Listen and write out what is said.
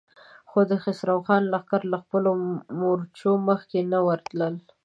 خو د خسرو خان لښکر له خپلو مورچو مخکې نه ورتلل.